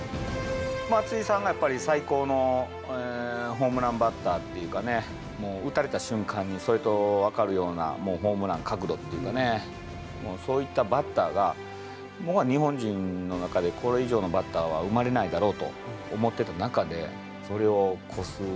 松井さんがやっぱり最高のホームランバッターっていうかね、もう打たれた瞬間に、それと分かるようなもうホームランの角度っていうかね、もうそういったバッターが、もう日本人の中で、これ以上のバッターは生まれないだろうと思ってた中で、それを超す。